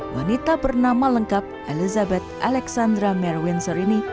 wanita bernama lengkap elizabeth alexandra merwinsor ini